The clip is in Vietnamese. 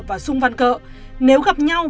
và xung văn cỡ nếu gặp nhau